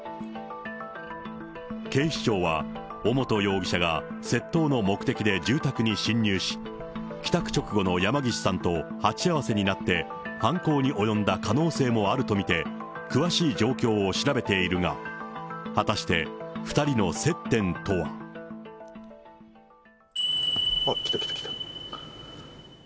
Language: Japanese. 警視庁は、尾本容疑者が窃盗の目的で住宅に侵入し、帰宅直後の山岸さんと鉢合わせになって犯行に及んだ可能性もあると見て、詳しい状況を調べているが、来た、来た、来た。